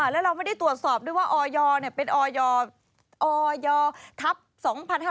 แล้วเราไม่ได้ตรวจสอบด้วยว่าออยเป็นออยทัพ๒๕๕๙